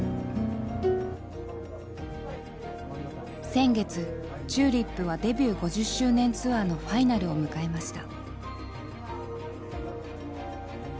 前月ＴＵＬＩＰはデビュー５０周年ツアーのファイナルを迎えました。